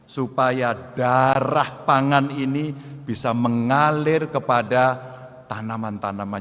supaya darah pangan ini bisa mengalir kepada tanaman tanaman